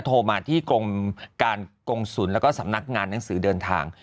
โทรมาที่กรมการกงศูนย์แล้วก็สำนักงานหนังสือเดินทาง